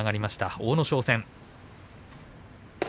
阿武咲戦。